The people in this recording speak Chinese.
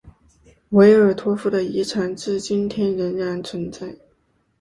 维尔托夫的遗产至今天仍然存在。